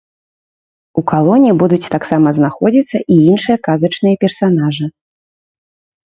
У калоне будуць таксама знаходзіцца і іншыя казачныя персанажы.